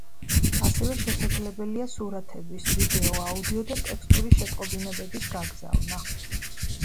ასევე შესაძლებელია სურათების, ვიდეო, აუდიო და ტექსტური შეტყობინებების გაგზავნა.